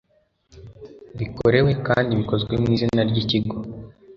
bikorewe kandi bikozwe mu izina ry ikigo